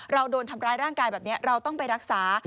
เราโดนทำร้ายร่างกายแบบนี้เราต้องไปรักษา